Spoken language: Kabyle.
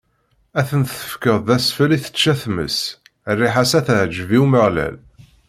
Ad ten-tefkeḍ d asfel i tečča tmes, rriḥa-s ad teɛǧeb i Umeɣlal.